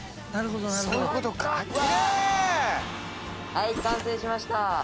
はい完成しました！